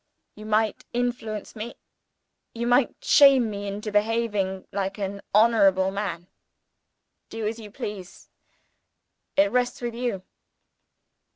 You might influence me you might shame me into behaving like an honorable man. Do as you please. It rests with you."